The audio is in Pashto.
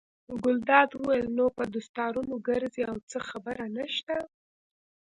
ګلداد وویل: نو په دستارونو ګرځئ او څه خبره نشته.